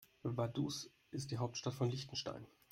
Vaduz ist die Hauptstadt von Liechtenstein.